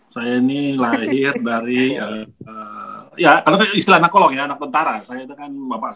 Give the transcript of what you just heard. saya ini lahir dari ya kalau istilahnya anak kolong ya anak tentara